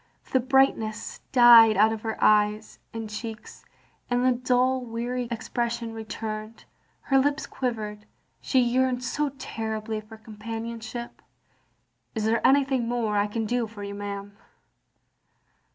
The brightness died out of her eyes and cheeks, and the dull weary expression returned. Her lips quivered. She yearned so terribly for companionship. "Is there anything more I can do for you, ma'am?"